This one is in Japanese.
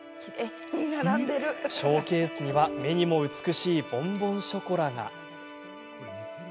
ショーケースには目にも美しいボンボンショコラが。